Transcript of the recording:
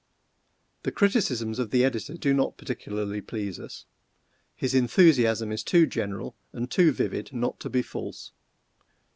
The criticisms of the editor do not particularly please us. His enthusiasm is too general and too vivid not to be false.